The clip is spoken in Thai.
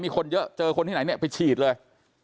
มีคนเยอะเจอคนที่ไหนเนี่ยไปฉีดเลย